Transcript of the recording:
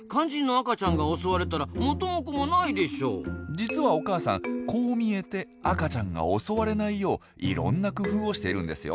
実はお母さんこう見えて赤ちゃんが襲われないよういろんな工夫をしているんですよ。